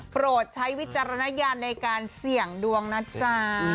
โปรดใช้วิจารณญาณในการเสี่ยงดวงนะจ๊ะ